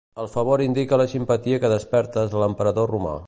El favor indica la simpatia que despertes a l'emperador romà.